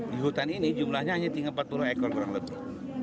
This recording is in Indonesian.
di hutan ini jumlahnya hanya tinggal empat puluh ekor kurang lebih